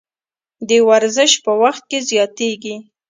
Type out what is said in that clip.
د ورزش په وخت کې زیاتیږي.